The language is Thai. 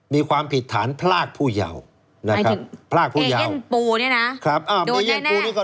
มีความผิดฐานพลากผู้ยาวนะครับพลากผู้ยาวเอเย็นปูเนี้ยนะ